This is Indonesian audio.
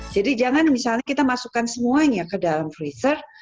jadi jangan misalnya kita masukkan semuanya ke dalam freezer